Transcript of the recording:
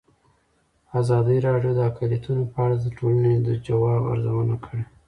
ازادي راډیو د اقلیتونه په اړه د ټولنې د ځواب ارزونه کړې.